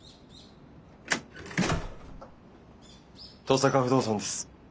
登坂不動産です。